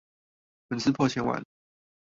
粉絲破千萬